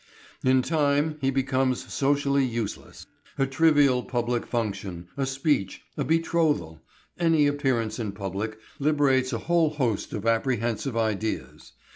In time he becomes socially useless. A trivial public function, a speech, a betrothal, any appearance in public liberates a whole host of apprehensive ideas.